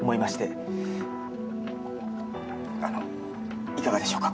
あのいかがでしょうか？